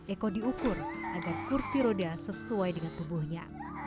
eko diukur agar kursi roda sesuai dengan tubuhnya